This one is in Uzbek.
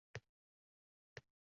Sen-la tongotarga boqamiz tikka